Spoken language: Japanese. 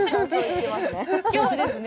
今日はですね